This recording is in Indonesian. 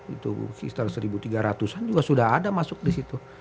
itu sekitar satu tiga ratus an juga sudah ada masuk di situ